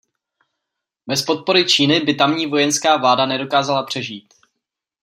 Bez podpory Číny by tamní vojenská vláda nedokázala přežít.